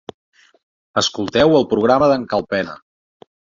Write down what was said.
Escolteu el programa d'en Calpena